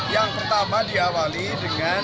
yang pertama diawali dengan